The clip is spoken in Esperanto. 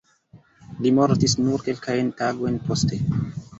Li mortis nur kelkajn tagojn poste.